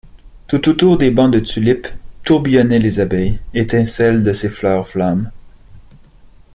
Tout autour des bancs de tulipes tourbillonnaient les abeilles, étincelles de ces fleurs flammes.